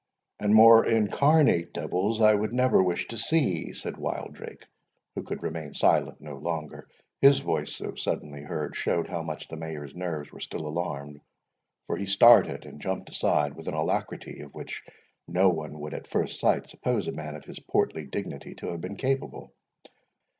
"And more incarnate devils I would never wish to see," said Wildrake, who could remain silent no longer. His voice, so suddenly heard, showed how much the Mayor's nerves were still alarmed, far he started and jumped aside with an alacrity of which no one would at first sight suppose a man of his portly dignity to have been capable.